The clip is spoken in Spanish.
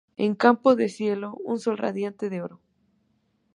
En campo de cielo un sol radiante de oro.